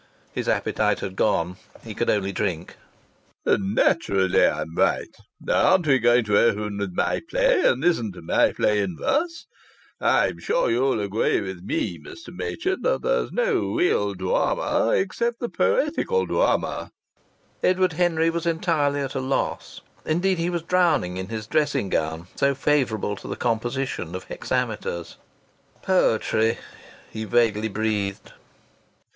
His appetite had gone. He could only drink.) "Naturally, I'm right! Aren't we going to open with my play, and isn't my play in verse?... I'm sure you'll agree with me, Mr. Machin, that there is no real drama except the poetical drama." Edward Henry was entirely at a loss. Indeed, he was drowning in his dressing gown, so favourable to the composition of hexameters. "Poetry ..." he vaguely breathed.